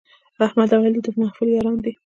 احمد او علي د محفل یاران دي.